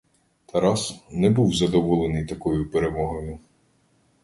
Тарас не був задоволений такою перемогою.